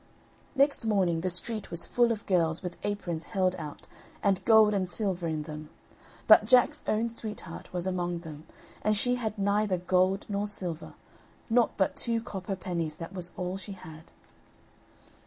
Next morning the street was full of girls with aprons held out, and gold and silver in them; but Jack's own sweetheart was among them, and she had neither gold nor silver, nought but two copper pennies, that was all she had.